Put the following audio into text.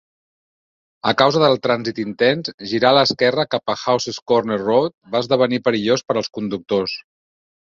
A causa del trànsit intens, girar a l'esquerra cap a Houses Corner Road va esdevenir perillós per als conductors.